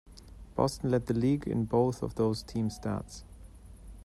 Boston led the league in both of those team stats.